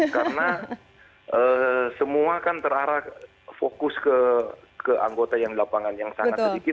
karena semua kan terarah fokus ke anggota yang di lapangan yang sangat sedikit